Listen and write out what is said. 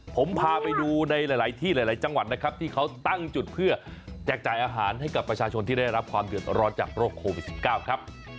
ผมพาไปดูในหลายที่หลายจังหวัดนะครับที่เขาตั้งจุดเพื่อแจกจ่ายอาหารให้กับประชาชนที่ได้รับความเดือดร้อนจากโรคโควิด๑๙ครับ